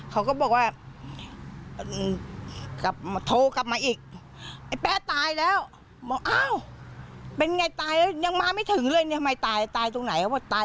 ก็ไปเปิดทรทัศน์ใหม่ติดอ้าวโดรเซปัทธิหารมันตั้งใจจะมาทำให้ป้า